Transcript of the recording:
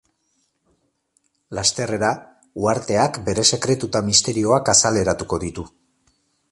Lasterrera, uharteak bere sekretu eta misterioak azaleratuko ditu.